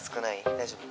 大丈夫？